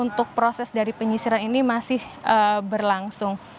untuk proses dari penyisiran ini masih berlangsung